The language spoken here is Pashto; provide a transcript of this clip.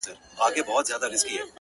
دُرانیډک له معناوو لوی انسان دی,